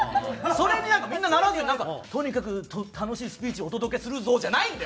それになんかみんなならずに「とにかく楽しいスピーチお届けするぞ」じゃないんだよ！